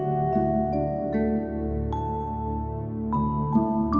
ฝราลจะพลงฝากงานก็ได้